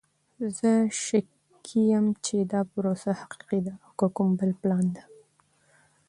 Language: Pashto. زه شکي یم چې دا پروسه حقیقی ده او که کوم بل پلان ده!